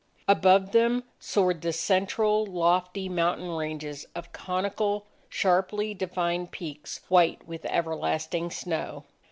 Above them soared the central lofty mountain ranges of conical, sharply defined peaks white with everlasting snow.